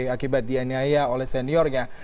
akibat dianyaya oleh seniornya